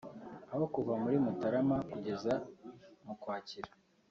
aho kuva muri Mutarama kugeza mu Ukwakira